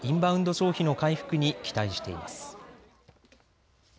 消費の回復に期待しています。